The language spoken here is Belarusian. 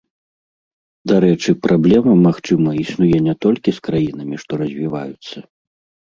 Дарэчы, праблема, магчыма, існуе не толькі з краінамі, што развіваюцца.